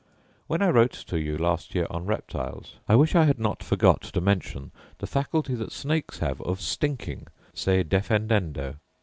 When I wrote to you last year on reptiles, I wish I had not forgot to mention the faculty that snakes have of stinking se defendendo.